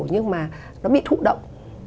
nhưng mà nó bị thụ động